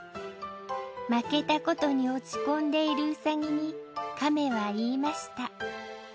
負けたことに落ち込んでいるうさぎにかめは言いました